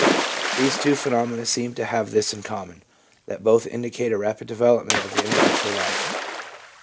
The two pheno mena seem to have this in common, that both indicate a rapid development of the intellectual life.